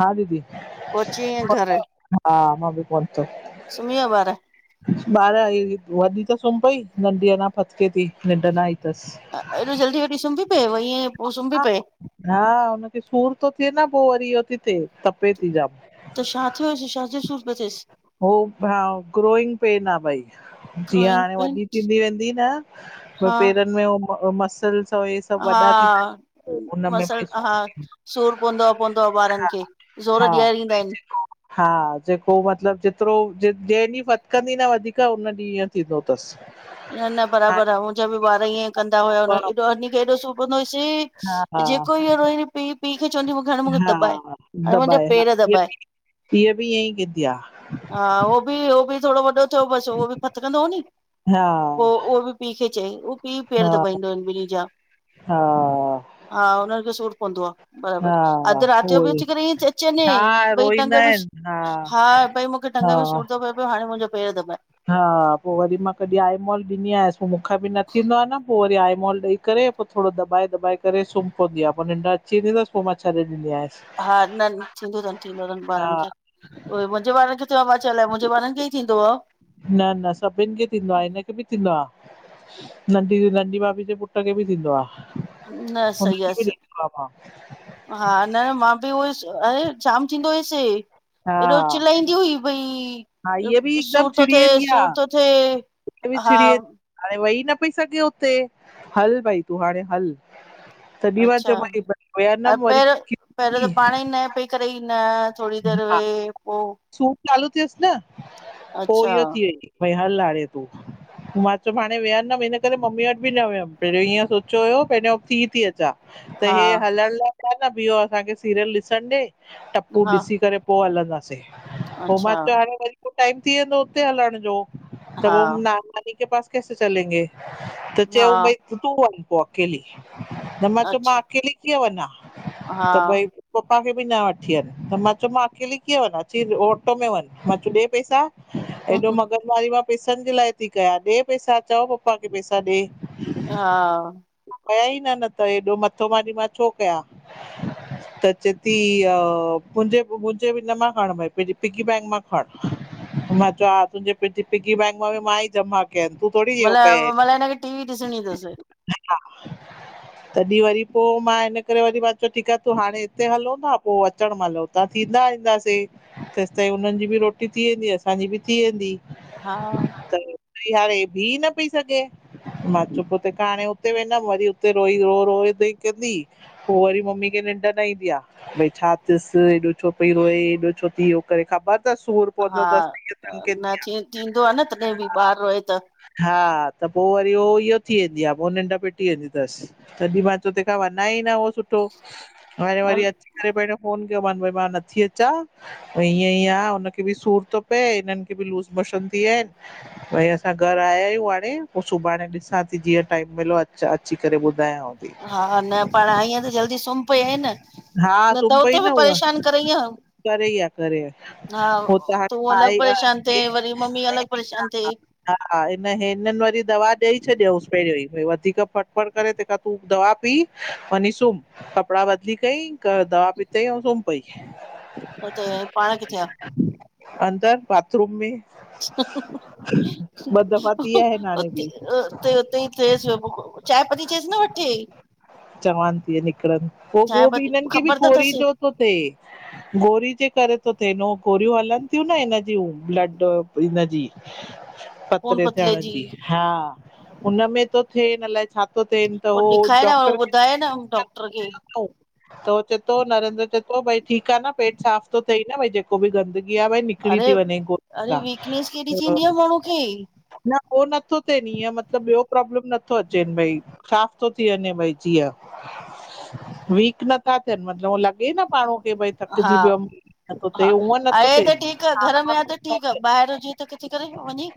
हा दीदी, पहुची वईं हा मां बि कोन। सुमीया बार वॾी त सुम्ही पई, नंढी अञा फतके थी अथसि एॾो जल्दी वठी सुम्ही पए ईअं पोइ हा सुम्ही पए हा हुनखे सूर थो थिए न पोइ वरी इहो तपे थी जाम। त छा थियो हुस, छाजो सूर पो थेस। हो ग्रोइंग पेन आहे भई। जीअं क्रोइंग हाणे पेन वॾी थींदी वेंदी न हा पेरनि में मसल हा, भई मसल सूर हा सूर पवंदो आहे पवंदो आहे ॿारनि खे। हा ज़ोर ॾियारींदा आहिनि। हा जेको मतिलब जेतिरो जे जंहिं ॾींहुं फटिकंदी न वधीक हुन ॾींहुं इअं थींदो अथसि न न बराबरि हाणे आहे मुंहिंजा बि ॿार ईअं कंदा हुया हा एॾो हनी खे एॾो हुयसि हा जेको इहो रोई पीउ पीउ खे चवंदी हु हाणे मूंखे हा दॿाए हाणे मुंहिंजा पेर दॿाए। इीअ बि इअ ई कतिया उ बि थोरो वॾो चओ बसि उहो बि फतकंदो। हा पोइ उहो बि पीउ खे चई उ पीउ पेर हा दॿाईंदो आहिनि ॿिन्ही जा। हा हा हुननि खे सूर हा बराबर अधु राति जो उहो बि ई अची करे ईअ अचे न हा भई टंग रोईंदा बि आहिनि हा भई टंग हा में सूर थो पियो हाणे मुंहिंजो पेर दबे। हा पोइ वरी मां कॾहिं आईमॉल ॾिनी आयसि पो मूंखे बि न थींदो आहे न पोइ वरी आई ई करे पोइ थोरो दाए दॿाए करे सुम्ही पवंद आहे,। ॾींदी आयसि हा, न न थींदो अथनि थींदो अथन हा ॿारनि खे। उहे मुंहिंजे वारनि खे थियो आहे पा चालाए मुंहिंजे वारारनि खे ई थींदो आहे। न न सभिनि खे थींदो आहे हिनखे बि थींदो आहे। नंढी नंढी भाभी जे पुट खे बि थींदो आहे। न सही हुनखे बि आहेसि, ॾिठो आहे मां हा न मां बि उहई। अरे जाम थींदो हुयसे, एॾो हा चिलाईंदी हुई भई। हा हीअ बि हिकदमि सूर थो चिड़ी थिए, वेंदी आहे सूर थो थिए हा। वेईी न पई सघे उते हल भई तूं हाणे हल। तॾहिं मां अचछा चयोमांइ वियनमि पहिरियों वरी त पाण ई न पई करे ई न थोरी देरि। पोइ सूर चालू थियसि न पोइ इहो अच्छा भई हल हारे तूं। मां चयो हाणे वेंदमि हिनन करे मम्मी वटि बि न वियमि पहिरियों इअं सोचियो हुओ थी अचां। हा हलण लाइ छा असांखे सीरियल ॾिसण ॾे। टपू हा ॾिसी करे पो हलंदासीं, पोइ मां अच्छा चयो हाणे वरी। टाइम थी वेंदो उते हलण जो, त हा पोइ नाना नानी के पास कैसे चलेंगे। त चयऊं हा भई तूं वञ पोइ अकेली, मां चयो अच्छा अकेली कीअं वञा। हा त भई पपा खे बि न वठी अनि त मां चयो मां अकेली ऑटो में वञ मां चयोूं ॾे पैसा हेॾो मगज़ वारी मां पैसनि जे लाइ थी कयां, ॾे पैसा, चओ पप्पा खे पैसा ॾे। हाँ। न त हेएॾो मथो मारी मां छो कयां। त, चेती मुंहिंजे मुंझे हिन मा खण भयी मुंझे पिग्गी बैग मां खण मां चयो अ त पिकी बैंक मां मां ई जमा कया आईन तू थोड़ी कया मतिलब आईन मतिलब हिनखे टीवी ॾिसणी तसि तॾहिं वरी पोइ मां हिन करे वरी मां चयो ठीक आहे तूं हाणे हिते हलूं था, पोइ अचणु मलूं तां थींदा आहि। ईंदासीं तेसिताईं हुननि जी बि रोटी थी वेंदी, असांजी बि थी वेंदी। हा ई हाणे बीह न पई सघे। मां चुप हाणे उते वेंदमि वरी उते रोई रो रो कंदी पोइ वरी मम्मी खे। निंड न ईंदी आहे भई छा अथस एॾो छो पई रोए एॾो छो थी करे ख़बर? सूर हा पंदोतस न थी थींदो आ न तॾहिं बि ॿार रोए त हा त पोइ वरी उ इहो थी वेंदी आहे पोइ निंड पेटी वेंदी अथसि तॾहिं मां तूं तंहिंखां वञा ई। सुठो हाणे वरी हल- अची करे प फोन कयो मां। थी अचा ईअं ई आहे हुनखे बि सूर थो पए इननि खे बि लूज़ मोशन थी विया आहिनि। भई असां घर आया आहियूं हाणे पोइ सुभाणे ॾिसां थी जीअं टाइम मिलियो अ अची करे। ॿुधायांव थी हा-हा न पढ़ाई जल्दी सुम्ह हा सुम्ही नता पई हुते बि न उहा परेशान करे आहे। करे आह करे आह हो त। तूं अलॻि परेशान थिए वरी मम्मी अलॻि परेशान थिए हा हा हिननि वरी दवा ॾेई छॾियोसि पैहरो ई। वधीक फटफट करे तंहिंखा तूं दवा पी वञी सुम्ह कपड़ा बदिली कई। क द पीते सुम। त पाण किथे आहे? अंदर बाथरूम में। [inaudible] ॿ दफ़ा थी आया आहिनि हाणे बि ते उते उते ई थएसि चाय पती चाइस न वठी ट चवान [unintelligible] हिननि पती खे बि ख़बर त गोरी तसि जो थो थिए गोरी जे करे। गोरियूं हलनि थियूं न हिन जूं ब्लड हिनजी। खून पतरे पतले थियण जी हा हुनमें थो थिए हिन लाइ। छा थो थिए त पो उहो ॾेखाए न उहो डॉक्टर। ॿुधाए न डॉक्टर खे त चए थो नरेंद्र चए थो भई ठीकु आहे न पेट साफ़ थो थिई न भई जेको बि गंदगी। भई निकरी अरे थी वञे गोरिन अरे सां। वीकनेस केॾी थींदी आ माण्हू खे उह नथो थिनि ईअ मतलब ॿियो प्रॉब्लम नथो अचे भई साफ़ थो थी वञे भई जीअं। [inaudible] वीक नथा थियनि मतिलबु उह लॻे न माणू। भई हा थकिजी पियो न थिए हा अं नथो आहे त ठीक थिए। ठ करे वञी।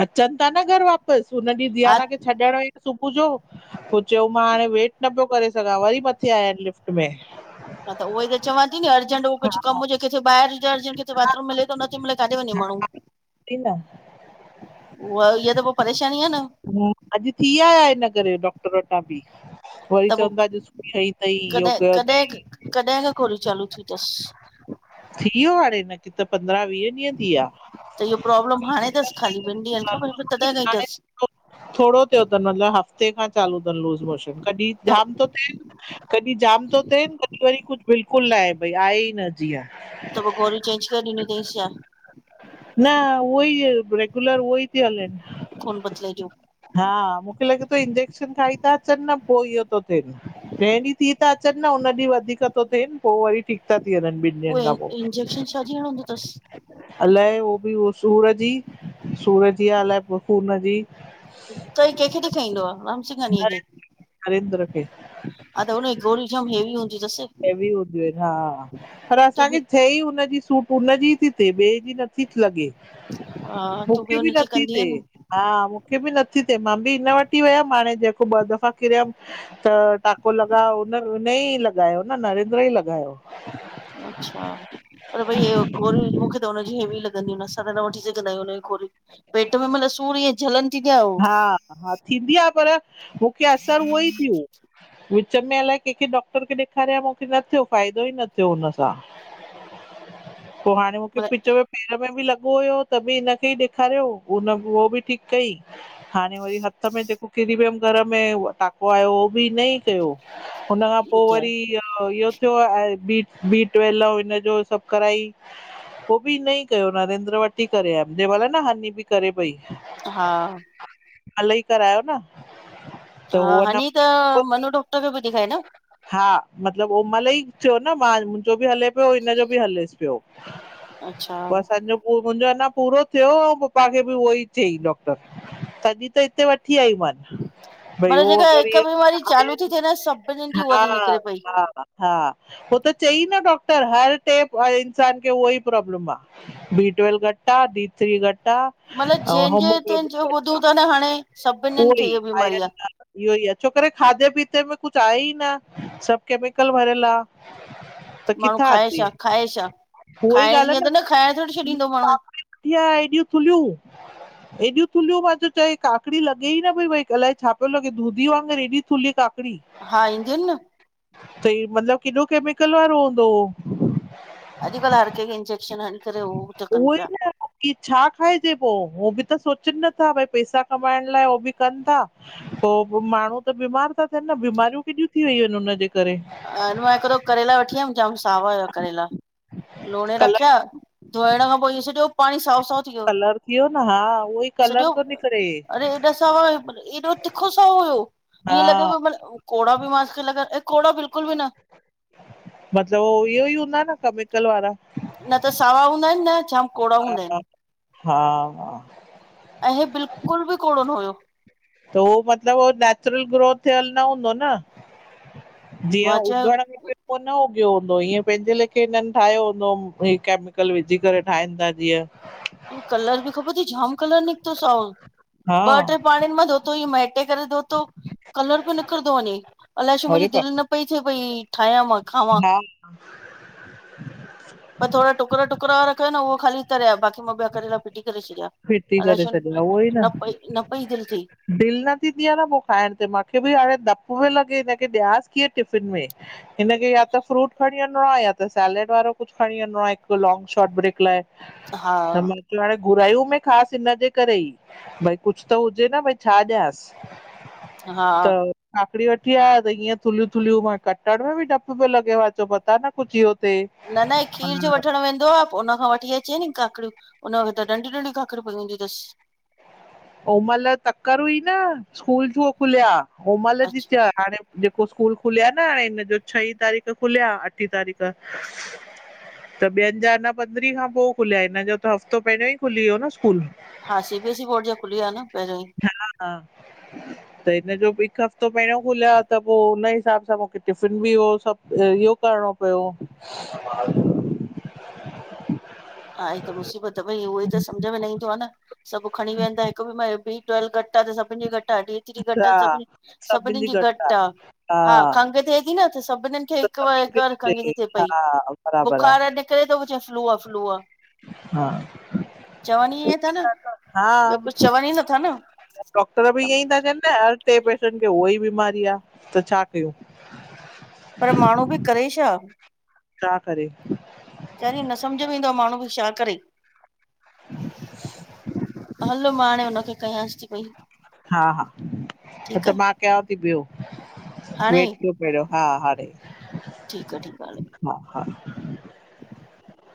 अचंता न घर वाप हुन ॾींहुं हा धयाना खे छॾण सुबुह जो पो चयो मां हाणे वेट न पियो करे। वरी मथे आया आहिनि लिफ्ट में। हा त त चवां थी न अर्जेंट हो कुझु कम हुजे किथे ॿहिरि हुजे अर्जट किथे बाथरूम मिले नथ मिले। काॾे वञे माण्हू सही न उहा इहा त पोइ परेशानी आहे न। अॼु थी आया आहि इन करे डॉक्टर वटां बि वरी त पो चवनि था ॾिसई अथई कॾहिं योगा कॾहिं तई कॾहिं खां गोरियूं चालू थियूं तस थी वियो हाणे न त इहो प्रॉब्लम हाणे अथसि ख़ाली ॿिनि ॾींहंनि खां ब पोइ तॾहिं खांई अथसि। थोड़ो थियो तस मतलब हफ्ते खां चालू त लूस मोशन कॾ त थिए कुझु बिल्कुलु न आहे भई आहे ई न जीअं। त पोइ गोरू चेंज करे ॾिनी छा? न उहई रेग्युलर उई। कोन बदले जो? हा मूंखे लॻे थो इंजेक्शन खाई था अचनि न पोइ इहो तो थे। जें डीयं थी था अचनि। सॾ न हुन ॾींहुं वधीक थो थे। पोइ वरी ठीक था थनि। वञ ॿिनि ॾींहनि उहे खां पोइ, इंजेक्शन छाजी हणंदो अथसि अलाए उह। सूर जी सूर जी आहे अलाए खून जी। त ई कंहिंखे डेखाईंदो आहे रामसिंगानी खे? नरेंद्र खे हा त हुनजी गोली। [unintelligible] हैवी हूंदियूं, हा। पर, तूं बि असांखे हुनजी सू उनजी थी थिए ॿिए जी नथी लॻे। हा तूं बि मुखे भी हुनजी नथी कंदीअ थिए न हा। मुखे बि नथी थिए मां बि इ हिन वटि ई वियमि, हाणे। जेको ॿ दफ़ा किरियमि त टाको लॻा हुन उनई। लॻायो नरेंद्र ई लॻायो अचछा, पर भई मूंखे त हुनजी हैवी [unintelligible] गोली पेट में सूर। थी ॾिया हा हा थींदी आहे पर मुखे असर उहो ई थियो। विच में अलाए केखे डॉक्टर खे ॾेखारिया मुखे न थियो फ़ाइदो ई न थियो, हुन सां। [inaudible] पो हाणे मूंखे पिच में पेर में बिल। सुबो हुयो त बि हिनखे ई ॾेखारियो उह बि ठीकु कई। हाणे वरी हथ में जेको किरी वियुमि घर में टाको आयो उहो बि हिनई कयो। हुन खां पोइ ॿुधाए वरी इहो। बी -बी ट्वेल्व ऐं हिनजो सभु कराई! पोइ बि इ ई कयो नरेंद्र वटि ई करे आ जेमल न हानी बि करे पई। हा हाली करायो न। हा हानी त मनु डॉक्टर खे बि ॾेखाए न मतिलब मां मुंहिंजो बि हले पियो हिनजो बि हलेसि पियो। अच्छा। पो असांजो मुंहिंजो अञा पूरो थियो ऐं पपा खे बि उहो ई चईं डॉक्टर। तॾहिं त हिते वठी आई मन भई मतलब उह जेका अगरि। हिकु बीमारी चालू थी थिए न सभिनीनि जी उहा थी निकिरे पई हा-हा-हा हो त चई न डॉक्टर हर। प्रोब्लम आहे बी ट्वेल्वे घट आहे डी थ्री घट आहे। मतलब जंहिंजे तंहिंजो ॿुधूं [unintelligible] अछा था न हाणे सभिनीनि उह ई खे इहा आहे बीमारी इहो ई आहे छोक खाधे पीते में कुछ त सभ केमिकल भरियलु आहे। त माण्हू किथां खाए अची? छा खाए छा उहा ई खाइण ॻाल्हि आहे ईअं त खाइण थोरी न छॾींदो माण्हू वठी आहे हेॾियूं थुलियूं एॾूं थुलियूं मां चयो चई काकड़ी लॻे ई न भई अलाए छा पियो लॻे दूधी वगर हेॾी थु्हली का। हा इंजन न। त मतलब केमिकल वारो हूंदो? अॼुकल्ह हर कंहिंखे इंजेक्शन हणी करे कनि उहो ई पिया। न छा खाइजे पोइ उहो बि त सोच। च नथा भई पैसा कमाइण लाइ उह बि कनि था पोइ माण्हू त बीमार था। न बीमारियूं केॾियूं थी वयूं आहिनि हुनजे। करे ह मां हिक दो करेला वठी आयम जाम। करेला लोणे कलर रखिया धोइण खां पोइ इह सॼो। पाणी साफ़ थी वियो कलर थी वियो न हा उहो ई सॼो कलर थो निकिरे एॾा सवा। एॾो तिखो हुयो हा ईअं लॻे कोड़ा बि लॻा ऐं कोड़ा बिल्कु। मतलब हूंदा न केमिकल वारा त सावा हूंदा आहिनि न जाम कोड़ा हूंदा आहिनि। हा हा। हे बिलकुलु बि कोड़ो न हुयो। त उहो मतलब हो नेचुरल ग्रो थियल न हूंदो न। जीअं मां उगण चयो में को हूंदो इयं पंहिंजे लेखे हिनन ठायो हूंदो केमिकल विझी करे ठाहिन था जीय। कलर बि ख़बर थी जाम कलर निकतो साओ हा ॿ टे पाणिआनि मां धोतो मेटे करे धो। कलर पियो निकिरंदो वञे अलाए छो अरे मुंहिंजी बाप दिलि न पई थिए भई ठायां मां रे। खावां हा थोरा टुकर टुकर रखियइ न उहो ख़ाली तरेया बाक़ी। मां ॿिया करेला फिटी करे छॾिया फिट थी अलाए करे छो न पई न पई दिल थे। दिल न थींदी आहे न पो खाइण ते माखे बि हाणे उहे लॻे, इने खे ॾियास किये टिफिन में। इने खे यां त फ्रूट खॾ। खणी वेंदो आहे या त सैलेड वारो कुछ खणी वेंदो आहे हिकु लोंग शॉर्ट ब्रेक लाइ। हा घुरायो मे ख़ासि इनजे करे ई भई कुछ त हुजे न भई छा ॾियांसि हा त वठी आया त इअं थुलियूं थुलियूं कटण में बि डपु पियो लॻे आहे मता न कुछ इहो थिए न न खीर पर जो वठणु वेंदो आहे पो उनखां वठी अचे नी काकड़ियूं। हुन वट त नंढी नंढी खाखर पई हूंदी अथसि उमल तकड़ हुई न स्कूल खुलिया उमल अच्छा हाणे स्कूल खुलिया न हिनजा छई तारीख़ खुलिया अठीं तारीख़ त ॿयनि जा न पंद्रहीं खां पोइ खुलिया हिनजो त हफ़्तो पहिरियों ही खुली वियो न। स्कूल हा सी बीएस सी बोर्ड जा खुलया न। पहिरियों ई [unintelligible] हा त हिन भी जो हिकु हफ़्तो पहिरियों खुलिया आ त पोइ हुनई हिसाब सां मूंखे टिफ़िन बि सभु इहो करिणो। [unintelligible] [inaudible] हा त मुसीबत भई उहो ई त सम्झ में न ईंदो आहे न सभु खणी वेहंदा हिकु बि [unintelligible] ट्वेल घट आहे त सभिनी जी घट आहे डी थ्री घट हा आहे त सभ सभिनी जी घट आहे। हा खंघि थिए थी न त सभिननिनि खे त हिक ब हिक सभिनि बार खंघि खे थी थिए हा पई बराबरि बुख़ार आहे निकिरे थो फ्लू आ फ्लू आ हा चवनि ईय था न हा ॿियो कुछ चवनि ई नथा न डॉक्टर बि इयही ता चैंन [unintelligible] उहो ई बीमारी आहे त छा कयूं पर माण्हू बि करे छा छा करे चरी न समझ में ईंदो आहे माण्हू बी छा करे। हल मां हाड़े हुन खे कयास ती पयी हा हा त मां कयांव थी ॿियो हाणे वट कयो पहिरियों हा हाणे ठीकु आ ठीकु आ हलो। हा हा [inaudible]